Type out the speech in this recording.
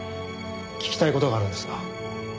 聞きたい事があるんですが。